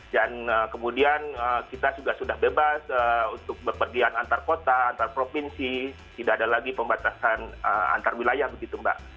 kemudian kita juga sudah bebas untuk berpergian antar kota antar provinsi tidak ada lagi pembatasan antar wilayah begitu mbak